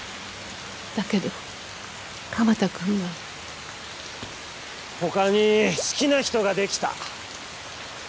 だけど鎌田君が他に好きな人ができた